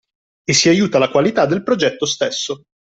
E si aiuta la qualità del progetto stesso.